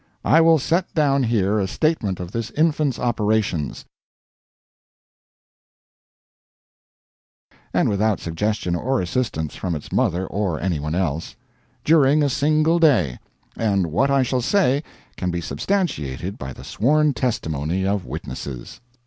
I will set down here a statement of this infant's operations (conceived, planned, and carried out by itself, and without suggestion or assistance from its mother or any one else), during a single day; and what I shall say can be substantiated by the sworn testimony of witnesses.